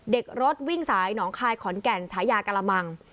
เด็กรถวิ่งสายหนองคายขอนแก่นฉายากะละมัง